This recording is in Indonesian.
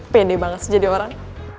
pede banget sih jadi orang